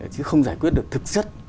chứ không giải quyết được thực chất